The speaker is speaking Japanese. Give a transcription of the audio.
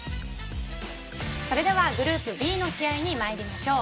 それではグループＢの試合にまいりましょう。